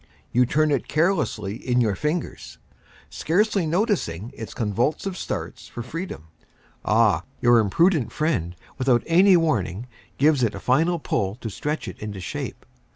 You turn it carelessly in your fingers, scarcely noticing its convulsive starts for freedom. Ah! your imprudent friend, without any warning, gives it a final pull to stretch it into shape.